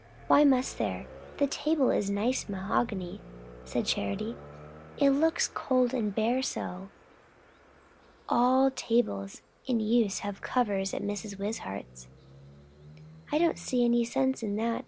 "Why must there? The table is nice mahogany," said Charity. "It looks cold and bare so. All tables in use have covers, at Mrs. Wishart's." "I don't see any sense in that.